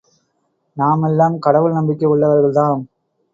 நாமெல்லாம் கடவுள் நம்பிக்கை உள்ளவர்கள்தாம்.